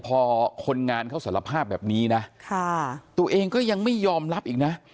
พอคนงานเขาสารภาพแบบนี้นะตัวเองก็ยังไม่ยอมรับอีกนะ